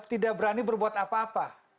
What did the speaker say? tidak berani berbuat apa apa